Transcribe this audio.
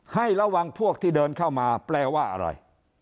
ให้ระวังพวกที่เดินเข้ามาแปลว่าอะไร